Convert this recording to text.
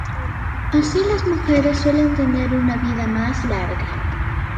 Así, las mujeres suelen tener una vida más larga.